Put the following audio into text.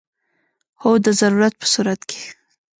هو، د ضرورت په صورت کې